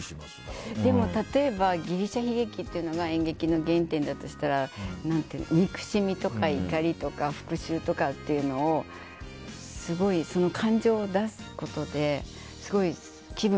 例えば、ギリシャ悲劇が演劇の原点だとしたら憎しみとか怒りとか復讐とかっていうのをすごい感情を出すことですごい気分